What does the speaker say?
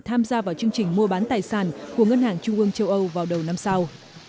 tham gia vào chương trình mua bán tài sản của ngân hàng trung ương châu âu vào đầu năm sau